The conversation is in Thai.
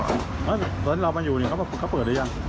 ตอนที่เรามาอยู่เขาเปิดหรือยัง